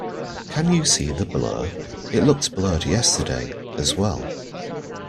Can you see the blur? It looked blurred yesterday, as well.